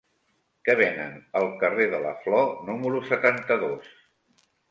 Què venen al carrer de la Flor número setanta-dos?